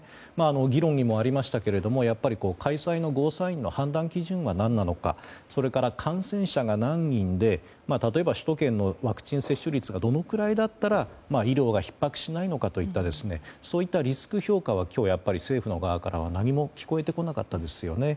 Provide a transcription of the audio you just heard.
議論にもありましたけれどもやっぱり開催のゴーサインの判断基準は何なのかそれから、観戦者は何人で例えば首都圏のワクチン接種率がどのくらいだったら医療がひっ迫しないのかといったリスク評価は今日やっぱり政府の側からは何も聞こえてこなかったですよね。